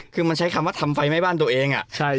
คือมันใช้คำว่าทำไฟไหม้บ้านตัวเอง